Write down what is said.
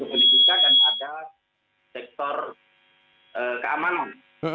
pendidikan dan ada sektor keamanan